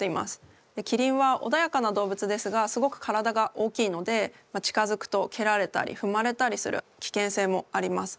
キリンはおだやかな動物ですがすごく体が大きいので近づくとけられたりふまれたりするきけんせいもあります。